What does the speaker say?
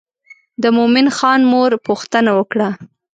د مومن خان مور پوښتنه وکړه.